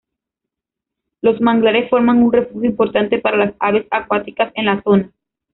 Los manglares forman un refugio importante para las aves acuáticas en la zona.